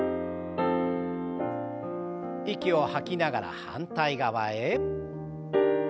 息を吐きながら反対側へ。